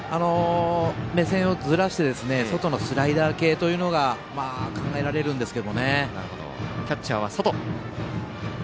目線をずらして外のスライダー系というのが考えられるんですけど。